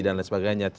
dan lain sebagainya